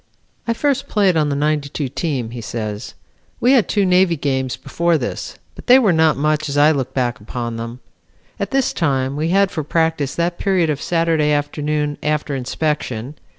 "I first played on the '92 team," he says. "We had two Navy games before this, but they were not much as I look back upon them. At this time we had for practice that period of Saturday afternoon after inspection.